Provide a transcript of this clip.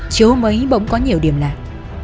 chứ hôm ấy bỗng có nhiều điểm lạc